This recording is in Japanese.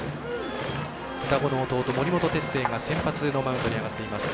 双子の弟、森本哲星が先発のマウンドに上がっています。